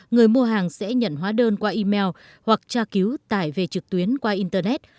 người mua hàng sẽ nhận hóa đơn qua email hoặc tra cứu tải về trực tuyến qua internet